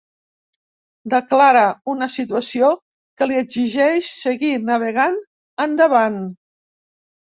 Declara una situació que li exigeix seguir navegant, endavant.